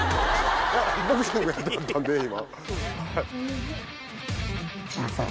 ボクシングやってはったんで今。